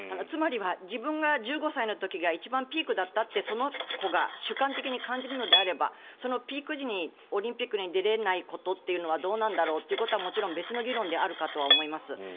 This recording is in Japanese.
つまりは自分が１５歳の時が一番ピークだったってその子が主観的に感じるのであればそのピーク時にオリンピックに出れないことというのはどうなんだろうというのはもちろん別の議論であるかとは思います。